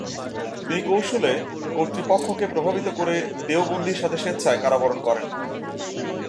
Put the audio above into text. তিনি কৌশলে কর্তৃপক্ষকে প্রভাবিত করে দেওবন্দির সাথে স্বেচ্ছায় কারাবরণ করেন।